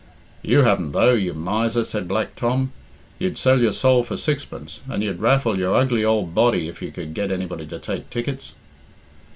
"You haven't though, you miser," said Black Tom; "you'd sell your soul for sixpence, and you'd raffle your ugly ould body if you could get anybody to take tickets."